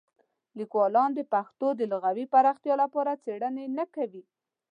لیکوالان د پښتو د لغوي پراختیا لپاره څېړنې نه کوي.